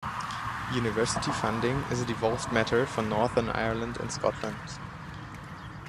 University funding is a devolved matter for Northern Ireland and Scotland.